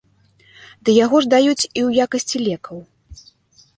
Ды яго ж даюць і ў якасці лекаў.